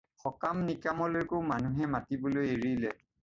সকাম-নিকামলৈকো মানুহে মাতিবলৈ এৰিলে।